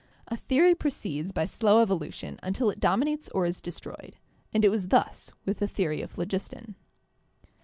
A theory proceeds by slow evolution until it dominates or is destroyed, and fE was thus with the theory of phlogiston.